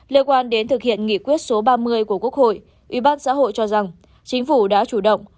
liên quan đến thực hiện nghị quyết số ba mươi của quốc hội ủy ban xã hội cho rằng chính phủ đã chủ động